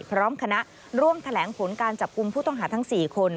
พร้อมคณะร่วมแถลงผลการจับกลุ่มผู้ต้องหาทั้ง๔คน